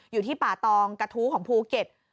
อยู่ที่ป่าตองกระทู้ของภูเก็ต